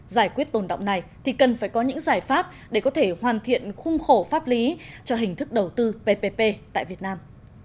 giải quyết tồn động này thì cần phải có những giải pháp để có thể hoàn thiện khung khổ pháp lý cho hình thức đầu tư ppp tại việt nam